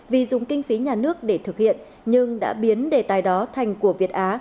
vì dùng kinh phí nhà nước để thực hiện nhưng đã biến đề tài đó thành của việt á